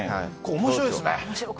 面白いですね。